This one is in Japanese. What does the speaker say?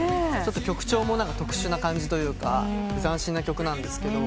曲調も特殊な感じというか斬新な曲なんですけど。